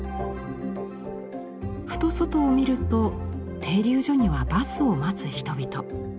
ふと外を見ると停留所にはバスを待つ人々。